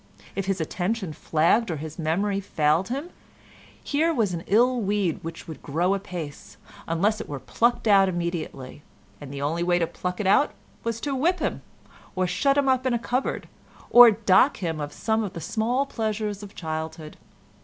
If his attention flagged or his memory failed him, here was an ill weed which would grow apace, unless it were plucked out immediately, and the only way to pluck it out was to whip him, or shut him up in a cupboard, or dock him of some of the small pleasures of childhood.